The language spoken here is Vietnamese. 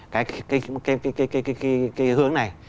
cái hướng này